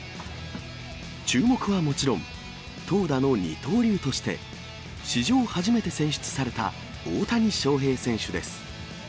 注目はもちろん、投打の二刀流として、史上初めて選出された大谷翔平選手です。